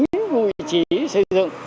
của vị trí xây dựng